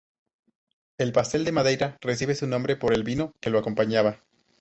El pastel de Madeira recibe su nombre por el vino, que lo acompañaba.